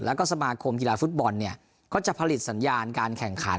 แล้วก็สมาคมกีฬาฟุตบอลเนี่ยก็จะผลิตสัญญาณการแข่งขัน